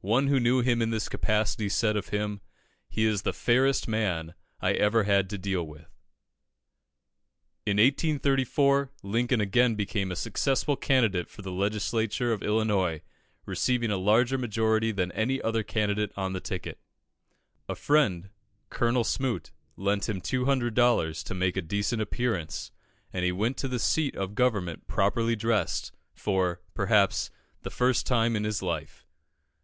One who knew him in this capacity said of him "He is the fairest man I ever had to deal with." In 1834, Lincoln again became a successful candidate for the Legislature of Illinois, receiving a larger majority than any other candidate on the ticket. A friend, Colonel Smoot, lent him 200 dollars to make a decent appearance, and he went to the seat of government properly dressed, for, perhaps, the first time in his life.